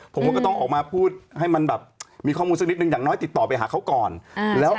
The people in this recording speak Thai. ซึ่งอะไรก็ไม่รู้รถเมย์พี่ถามหน่อย